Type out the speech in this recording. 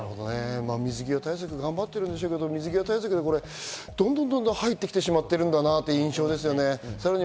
水際対策、頑張ってるんでしょうけど、どんどん入ってきてしまっているんだなという印象ですね。